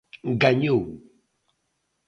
Gañou.